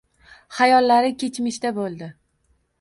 Xayollari kechmishda bo‘ldi...